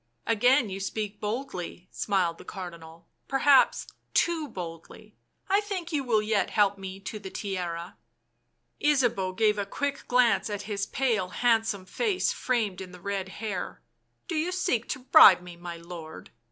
" Again you speak boldly," smiled the Cardinal. C£ Perhaps too boldly — I think you will yet help me to the Tiara." Ysabeau gave a quick glance at his pale, handsome face framed in the red hair. " Do you seek to bribe me, my lord?"